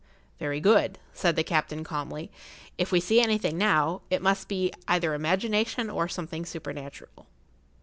"Very good," said the captain, calmly. "If we see anything now, it must be either imagination or something supernatural."